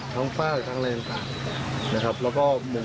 ทั้งฟ้าทั้งเลหนแบบ